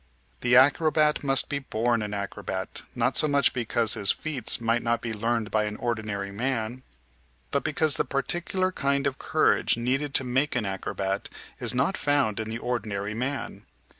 The acrobat must be born an acrobat, not so much because his feats might not be learned by an ordinary man, but because the particular kind of courage needed to make an acrobat is not found in the ordinary man.